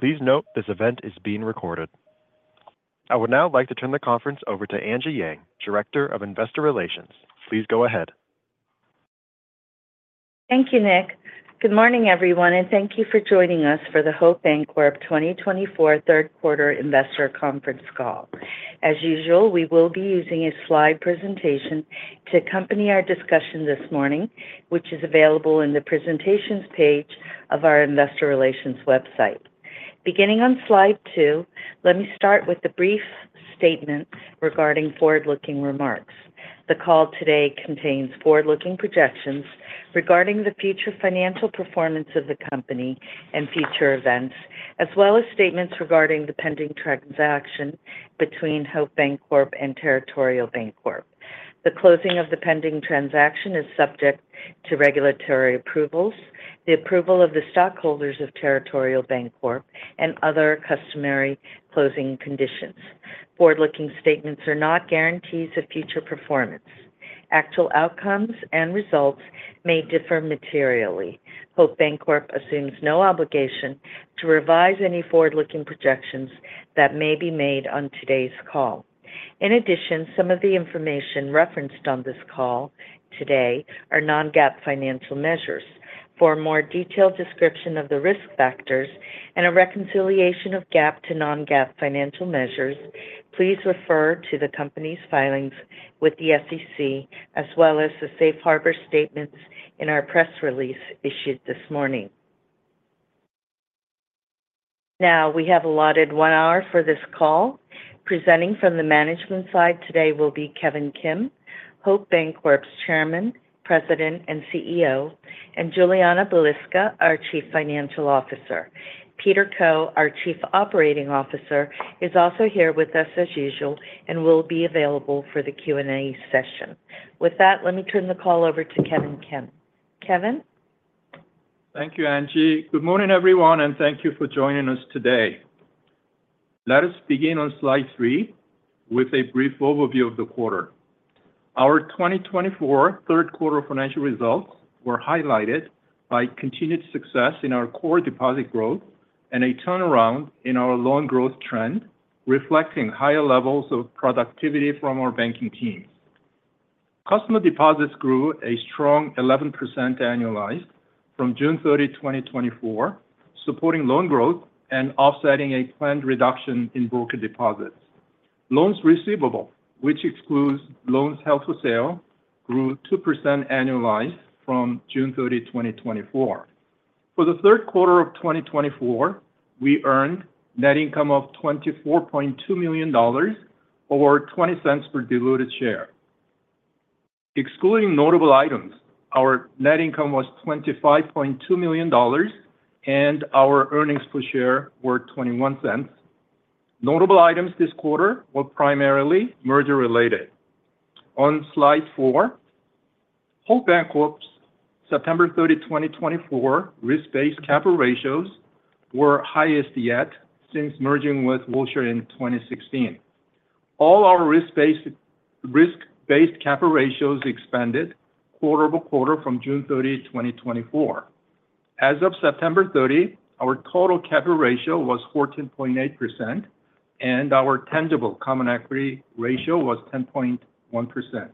Please note, this event is being recorded. I would now like to turn the conference over to Angie Yang, Director of Investor Relations. Please go ahead. Thank you, Nick. Good morning, everyone, and thank you for joining us for the Hope Bancorp 2024 Third Quarter Investor Conference Call. As usual, we will be using a slide presentation to accompany our discussion this morning, which is available in the presentations page of our investor relations website. Beginning on slide two, let me start with a brief statement regarding forward-looking remarks. The call today contains forward-looking projections regarding the future financial performance of the company and future events, as well as statements regarding the pending transaction between Hope Bancorp and Territorial Bancorp. The closing of the pending transaction is subject to regulatory approvals, the approval of the stockholders of Territorial Bancorp, and other customary closing conditions. Forward-looking statements are not guarantees of future performance. Actual outcomes and results may differ materially. Hope Bancorp assumes no obligation to revise any forward-looking projections that may be made on today's call. In addition, some of the information referenced on this call today are non-GAAP financial measures. For a more detailed description of the risk factors and a reconciliation of GAAP to non-GAAP financial measures, please refer to the company's filings with the SEC as well as the safe harbor statements in our press release issued this morning. Now, we have allotted one hour for this call. Presenting from the management side today will be Kevin Kim, Hope Bancorp's Chairman, President, and CEO, and Julianna Baliska, our Chief Financial Officer. Peter Koh, our Chief Operating Officer, is also here with us as usual and will be available for the Q&A session. With that, let me turn the call over to Kevin Kim. Kevin? Thank you, Angie. Good morning, everyone, and thank you for joining us today. Let us begin on slide three with a brief overview of the quarter. Our 2024 third quarter financial results were highlighted by continued success in our core deposit growth and a turnaround in our loan growth trend, reflecting higher levels of productivity from our banking teams. Customer deposits grew a strong 11% annualized from June 30, 2024, supporting loan growth and offsetting a planned reduction in brokered deposits. Loans receivable, which excludes loans held for sale, grew 2% annualized from June 30, 2024. For the third quarter of 2024, we earned net income of $24.2 million or $0.20 per diluted share. Excluding notable items, our net income was $25.2 million, and our earnings per share were $0.21. Notable items this quarter were primarily merger-related. On slide four, Hope Bancorp's September 30, 2024 risk-based capital ratios were highest yet since merging with Wilshire in 2016. All our risk-based capital ratios expanded quarter-over-quarter from June 30, 2024. As of September 30, our total capital ratio was 14.8%, and our tangible common equity ratio was 10.1%.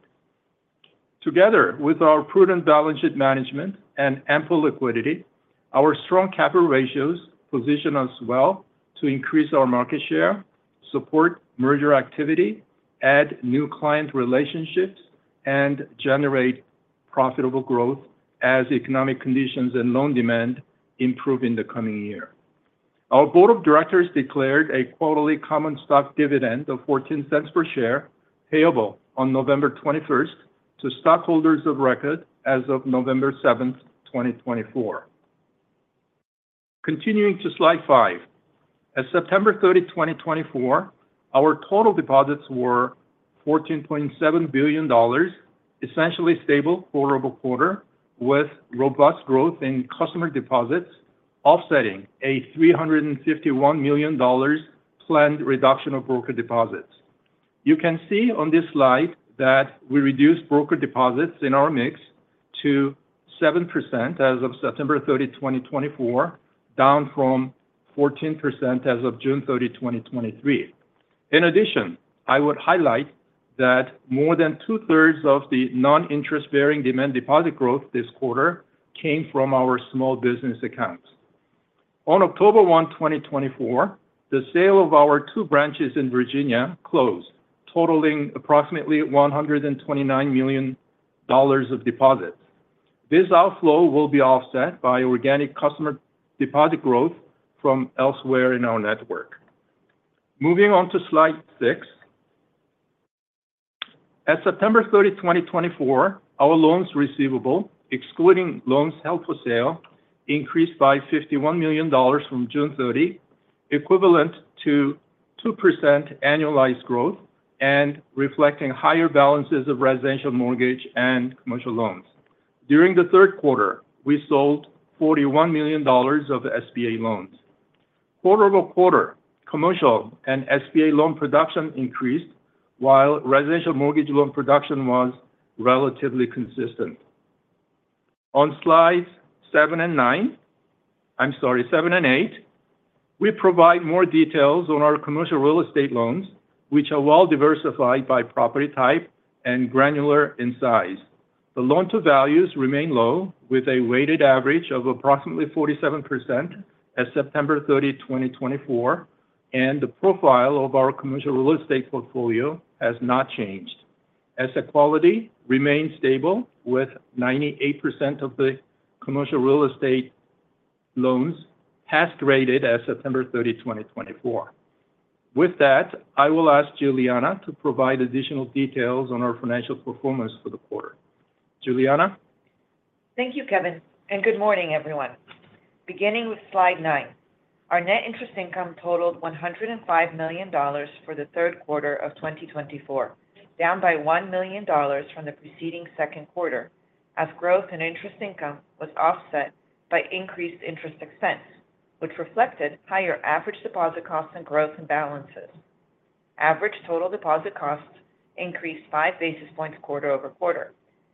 Together with our prudent balance sheet management and ample liquidity, our strong capital ratios position us well to increase our market share, support merger activity, add new client relationships, and generate profitable growth as economic conditions and loan demand improve in the coming year. Our board of directors declared a quarterly common stock dividend of $0.14 per share, payable on November 21st to stockholders of record as of November 7th, 2024. Continuing to slide five. At September 30, 2024, our total deposits were $14.7 billion, essentially stable quarter-over-quarter, with robust growth in customer deposits, offsetting a $351 million planned reduction of brokered deposits. You can see on this slide that we reduced brokered deposits in our mix to 7% as of September 30, 2024, down from 14% as of June 30, 2023. In addition, I would highlight that more than two-thirds of the non-interest-bearing demand deposit growth this quarter came from our small business accounts. On October 1, 2024, the sale of our two branches in Virginia closed, totaling approximately $129 million of deposits. This outflow will be offset by organic customer deposit growth from elsewhere in our network. Moving on to slide six. At September 30, 2024, our loans receivable, excluding loans held for sale, increased by $51 million from June 30, equivalent to 2% annualized growth and reflecting higher balances of residential mortgage and commercial loans. During the third quarter, we sold $41 million of SBA loans. quarter-over-quarter, commercial and SBA loan production increased, while residential mortgage loan production was relatively consistent. On slides seven and nine, I'm sorry, seven and eight, we provide more details on our commercial real estate loans, which are well diversified by property type and granular in size. The loan to values remain low, with a weighted average of approximately 47% as of September 30, 2024, and the profile of our commercial real estate portfolio has not changed. Asset quality remains stable, with 98% of the commercial real estate loans pass rated as of September 30, 2024. With that, I will ask Julianna to provide additional details on our financial performance for the quarter. Julianna? Thank you, Kevin, and good morning, everyone. Beginning with slide nine, our net interest income totaled $105 million for the third quarter of 2024, down by $1 million from the preceding second quarter, as growth in interest income was offset by increased interest expense, which reflected higher average deposit costs and growth in balances. Average total deposit costs increased five basis points quarter-over-quarter.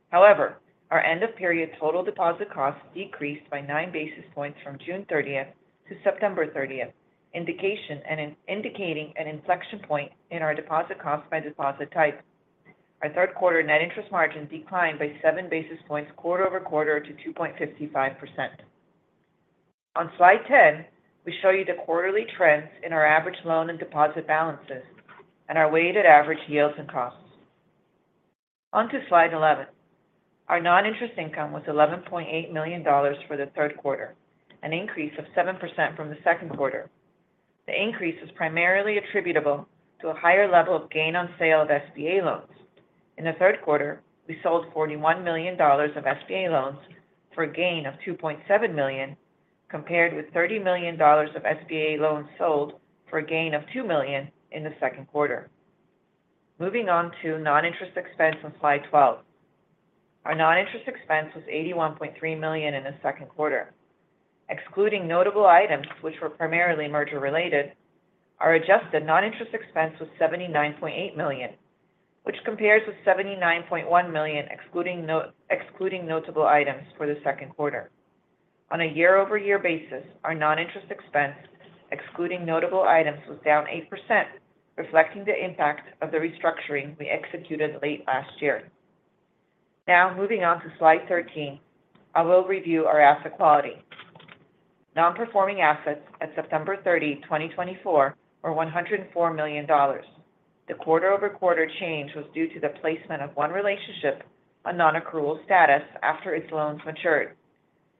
However, our end-of-period total deposit costs decreased by nine basis points from June thirtieth to September thirtieth, indicating an inflection point in our deposit costs by deposit type. Our third quarter net interest margin declined by seven basis points quarter-over-quarter to 2.55%. On slide 10, we show you the quarterly trends in our average loan and deposit balances and our weighted average yields and costs. On to slide 11. Our non-interest income was $11.8 million for the third quarter, an increase of 7% from the second quarter. The increase was primarily attributable to a higher level of gain on sale of SBA loans. In the third quarter, we sold $41 million of SBA loans for a gain of $2.7 million, compared with $30 million of SBA loans sold for a gain of $2 million in the second quarter. Moving on to non-interest expense on slide 12. Our non-interest expense was $81.3 million in the second quarter. Excluding notable items, which were primarily merger-related, our adjusted non-interest expense was $79.8 million, which compares with $79.1 million, excluding notable items for the second quarter. On a year-over-year basis, our non-interest expense, excluding notable items, was down 8%, reflecting the impact of the restructuring we executed late last year. Now, moving on to slide 13, I will review our asset quality. Non-performing assets at September 30, 2024, were $104 million. The quarter-over-quarter change was due to the placement of one relationship, a non-accrual status, after its loans matured.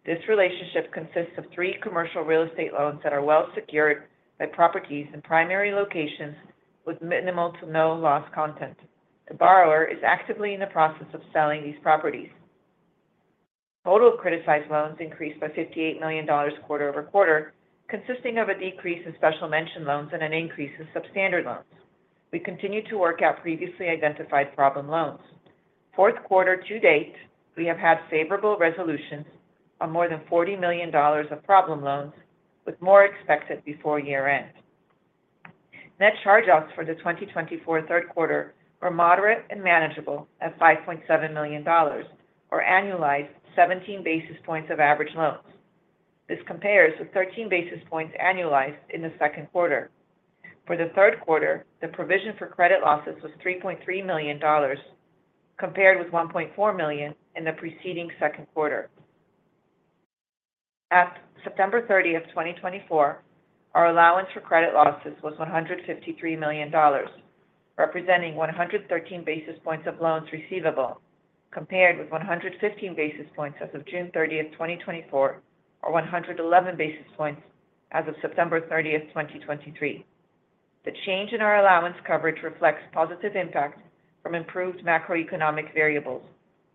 This relationship consists of three commercial real estate loans that are well secured by properties in primary locations with minimal to no loss content. The borrower is actively in the process of selling these properties. Total criticized loans increased by $58 million quarter-over-quarter, consisting of a decrease in special mention loans and an increase in substandard loans. We continue to work out previously identified problem loans. Fourth quarter to date, we have had favorable resolutions on more than $40 million of problem loans, with more expected before year-end. Net charge-offs for the 2024 third quarter were moderate and manageable at $5.7 million or annualized 17 basis points of average loans. This compares with 13 basis points annualized in the second quarter. For the third quarter, the provision for credit losses was $3.3 million, compared with $1.4 million in the preceding second quarter. At September thirtieth, 2024, our allowance for credit losses was $153 million, representing 113 basis points of loans receivable, compared with 115 basis points as of June thirtieth, 2024, or 111 basis points as of September thirtieth, 2023. The change in our allowance coverage reflects positive impact from improved macroeconomic variables,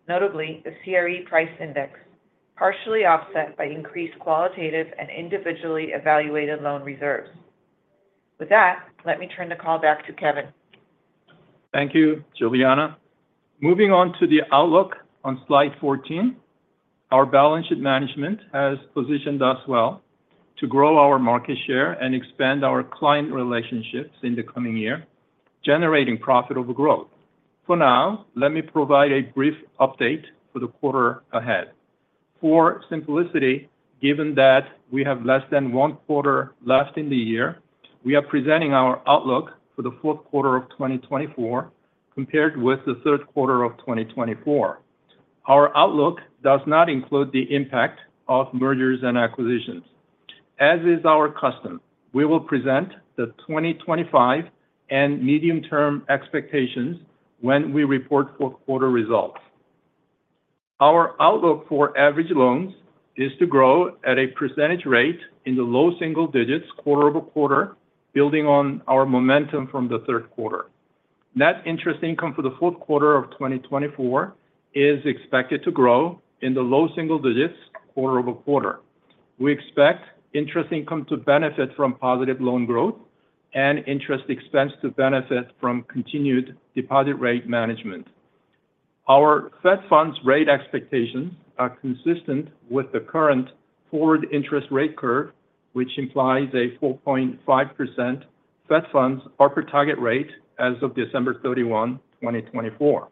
notably the CRE price index, partially offset by increased qualitative and individually evaluated loan reserves. With that, let me turn the call back to Kevin. Thank you, Julianna. Moving on to the outlook on slide 14. Our balance sheet management has positioned us well to grow our market share and expand our client relationships in the coming year, generating profitable growth. For now, let me provide a brief update for the quarter ahead. For simplicity, given that we have less than one quarter left in the year, we are presenting our outlook for the fourth quarter of twenty twenty-four, compared with the third quarter of twenty twenty-four. Our outlook does not include the impact of mergers and acquisitions. As is our custom, we will present the 2025 and medium-term expectations when we report fourth quarter results. Our outlook for average loans is to grow at a percentage rate in the low single digits, quarter-over-quarter, building on our momentum from the third quarter. Net interest income for the fourth quarter of 2024 is expected to grow in the low single digits, quarter-over-quarter. We expect interest income to benefit from positive loan growth and interest expense to benefit from continued deposit rate management. Our Fed funds rate expectations are consistent with the current forward interest rate curve, which implies a 4.5% Fed funds target rate as of December 31, 2024.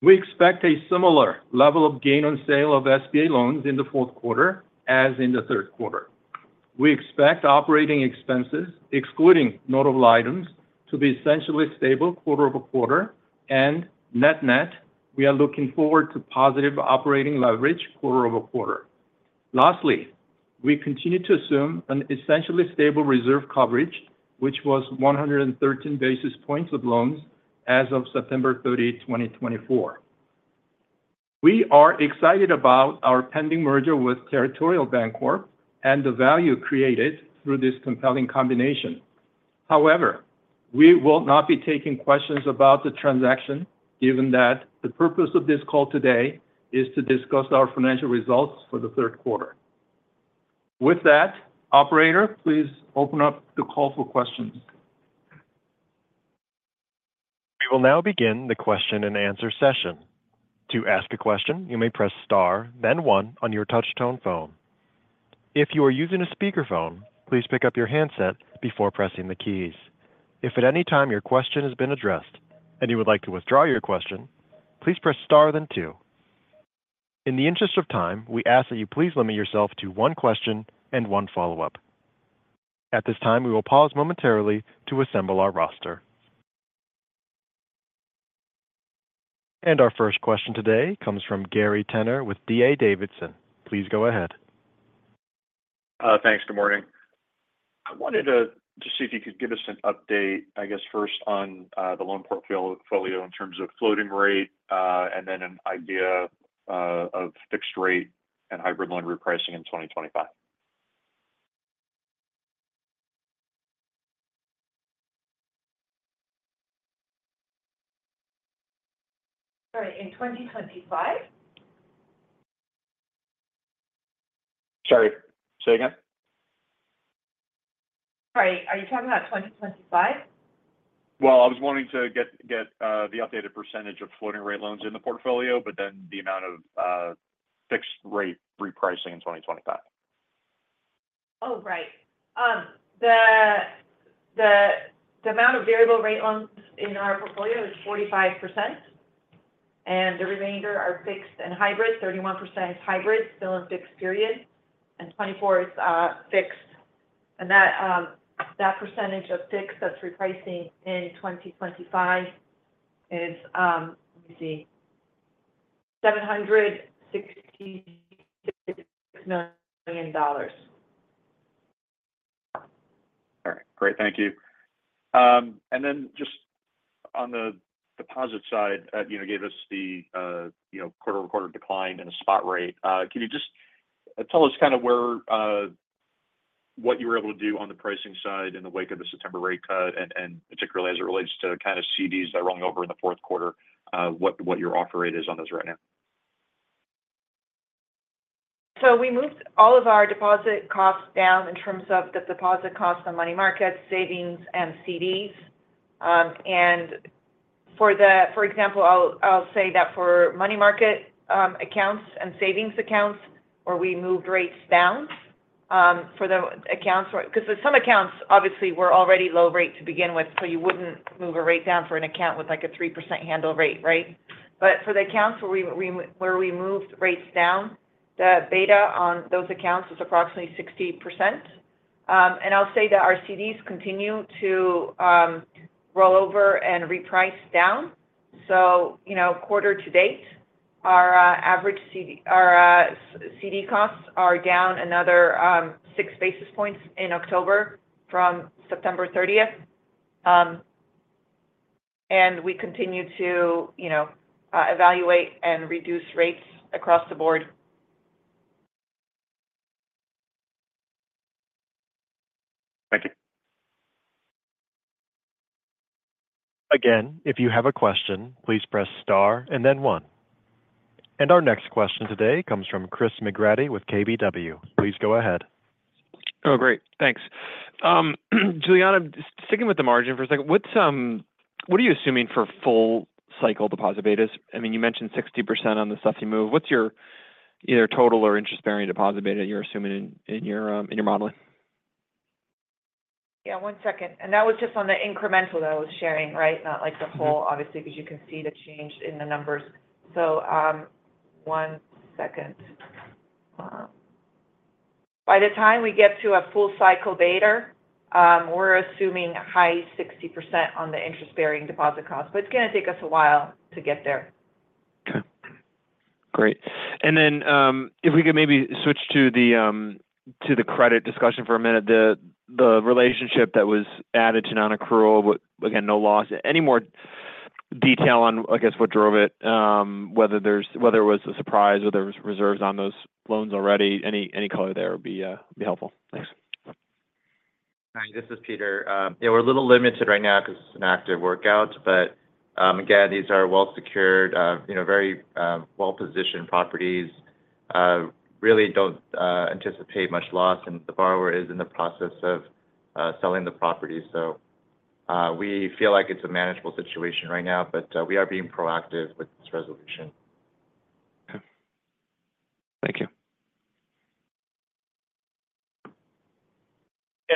We expect a similar level of gain on sale of SBA loans in the fourth quarter as in the third quarter. We expect operating expenses, excluding notable items, to be essentially stable quarter-over-quarter, and net net, we are looking forward to positive operating leverage quarter-over-quarter. Lastly, we continue to assume an essentially stable reserve coverage, which was 113 basis points of loans as of September 30, 2024. We are excited about our pending merger with Territorial Bancorp and the value created through this compelling combination. However, we will not be taking questions about the transaction, given that the purpose of this call today is to discuss our financial results for the third quarter. With that, operator, please open up the call for questions. We will now begin the question-and-answer session. To ask a question, you may press Star, then One on your touchtone phone. If you are using a speakerphone, please pick up your handset before pressing the keys. If at any time your question has been addressed and you would like to withdraw your question, please press Star then Two. In the interest of time, we ask that you please limit yourself to one question and one follow-up. At this time, we will pause momentarily to assemble our roster, and our first question today comes from Gary Tenner with D.A. Davidson. Please go ahead. Thanks. Good morning. I wanted to see if you could give us an update, I guess, first on the loan portfolio in terms of floating rate, and then an idea of fixed rate and hybrid loan repricing in 2025. Sorry, in 2025? Sorry, say again? Sorry, are you talking about 2025? I was wanting to get the updated percentage of floating rate loans in the portfolio, but then the amount of fixed rate repricing in 2025? Oh, right. The amount of variable rate loans in our portfolio is 45%, and the remainder are fixed and hybrid. 31% is hybrid, still in fixed period, and 24% is fixed. And that percentage of fixed that's repricing in 2025 is, let me see, $766 million. All right, great. Thank you. And then just on the deposit side, you know, gave us the, you know, quarter-over-quarter decline in a spot rate. Can you just tell us kind of where, what you were able to do on the pricing side in the wake of the September rate cut, and particularly as it relates to kind of CDs that are rolling over in the fourth quarter, what your offer rate is on those right now? So we moved all of our deposit costs down in terms of the deposit costs on money markets, savings, and CDs. And for the, for example, I'll say that for money market accounts and savings accounts, where we moved rates down, for the accounts, because some accounts obviously were already low rate to begin with, so you wouldn't move a rate down for an account with, like, a 3% handle rate, right? But for the accounts where we moved rates down, the beta on those accounts was approximately 60%. And I'll say that our CDs continue to roll over and reprice down. So, you know, quarter to date, our average CD, our CD costs are down another six basis points in October from September thirtieth. And we continue to, you know, evaluate and reduce rates across the board. Thank you. Again, if you have a question, please press star and then One. And our next question today comes from Chris McGratty with KBW. Please go ahead. Oh, great. Thanks. Julianna, sticking with the margin for a second, what are you assuming for full cycle deposit betas? I mean, you mentioned 60% on the 50 bps move. What's your either total or interest-bearing deposit beta you're assuming in your modeling? Yeah, one second. That was just on the incremental that I was sharing, right? Not like the full, obviously, because you can see the change in the numbers. One second. By the time we get to a full cycle beta, we're assuming a high 60% on the interest-bearing deposit cost, but it's going to take us a while to get there. Okay. Great. And then, if we could maybe switch to the credit discussion for a minute. The relationship that was added to non-accrual, but again, no loss. Any more detail on, I guess, what drove it? Whether it was a surprise or there was reserves on those loans already, any color there would be helpful. Thanks. Hi, this is Peter. Yeah, we're a little limited right now because it's an active workout, but, again, these are well-secured, you know, very well-positioned properties. Really don't anticipate much loss, and the borrower is in the process of selling the property. So, we feel like it's a manageable situation right now, but, we are being proactive with this resolution. Thank you.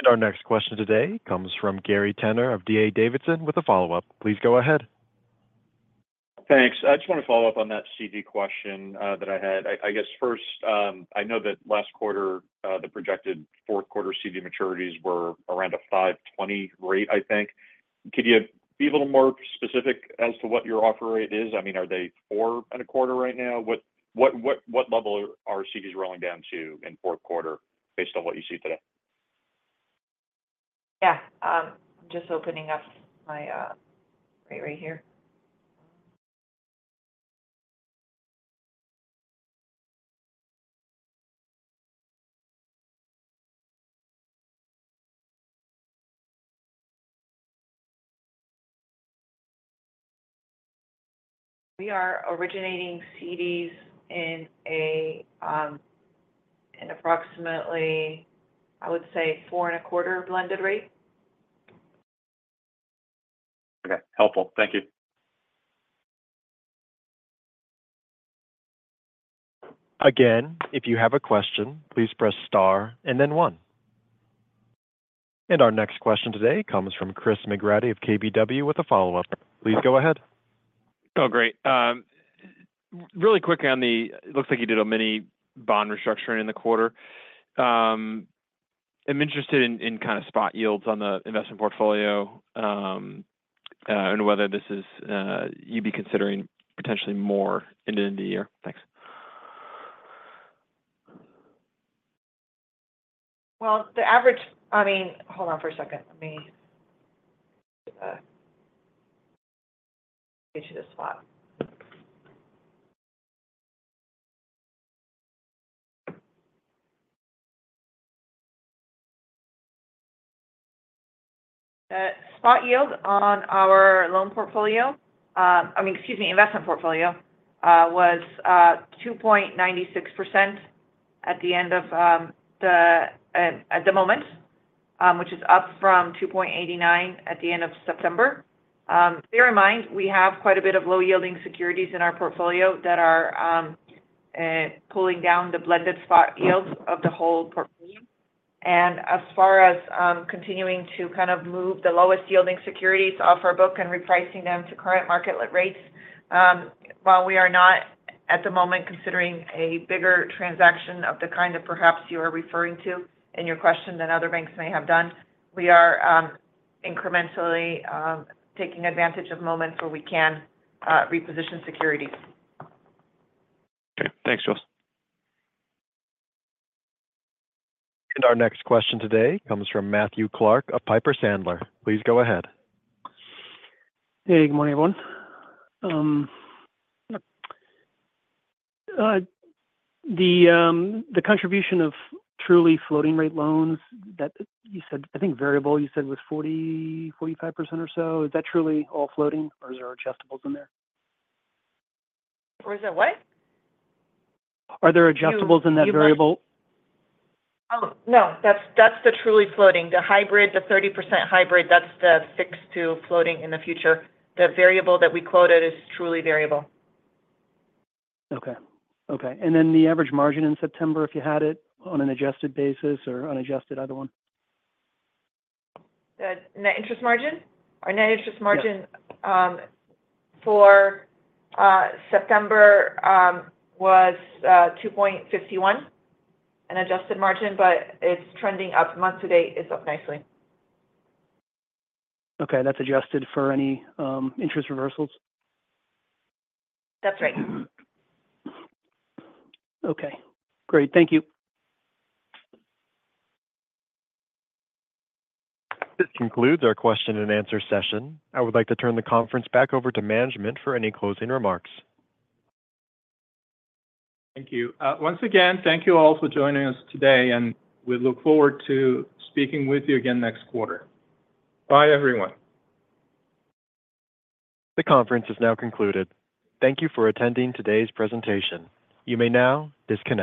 Our next question today comes from Gary Tenner of D.A. Davidson with a follow-up. Please go ahead. Thanks. I just want to follow up on that CD question that I had. I guess first, I know that last quarter, the projected fourth quarter CD maturities were around a five twenty rate, I think. Could you be a little more specific as to what your offer rate is? I mean, are they four and a quarter right now? What level are CDs rolling down to in fourth quarter based on what you see today? Yeah, just opening up my rate right here. We are originating CDs at approximately, I would say, four and a quarter blended rate. Okay, helpful. Thank you. Again, if you have a question, please press star and then one. And our next question today comes from Chris McGratty of KBW with a follow-up. Please go ahead. Oh, great. Really quickly on the. It looks like you did a mini bond restructuring in the quarter. I'm interested in kind of spot yields on the investment portfolio, and whether this is, you'd be considering potentially more into the end of the year. Thanks. I mean, hold on for a second, let me get you the spot yield on our loan portfolio. I mean, excuse me, investment portfolio was 2.96% at the end of the quarter, which is up from 2.89% at the end of September. Bear in mind, we have quite a bit of low-yielding securities in our portfolio that are pulling down the blended spot yields of the whole portfolio. As far as continuing to kind of move the lowest-yielding securities off our book and repricing them to current market rates, while we are not at the moment considering a bigger transaction of the kind that perhaps you are referring to in your question than other banks may have done, we are incrementally taking advantage of moments where we can reposition securities. Okay. Thanks, Jules. Our next question today comes from Matthew Clark of Piper Sandler. Please go ahead. Hey, good morning, everyone. The contribution of truly floating rate loans that you said, I think variable you said was 40%-45% or so, is that truly all floating or is there adjustables in there? Or is there what? Are there adjustables in that variable? Oh, no, that's the truly floating. The hybrid, the 30% hybrid, that's the fixed to floating in the future. The variable that we quoted is truly variable. Okay. Okay, and then the average margin in September, if you had it on an adjusted basis or unadjusted, either one? The net interest margin? Our net interest margin for September was 2.51, an adjusted margin, but it's trending up. Month to date, it's up nicely. Okay, that's adjusted for any interest reversals? That's right. Okay, great. Thank you. This concludes our question-and-answer session. I would like to turn the conference back over to management for any closing remarks. Thank you. Once again, thank you all for joining us today, and we look forward to speaking with you again next quarter. Bye, everyone. The conference is now concluded. Thank you for attending today's presentation. You may now disconnect.